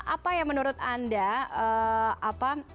apa yang menurut anda keuntungan dari joe biden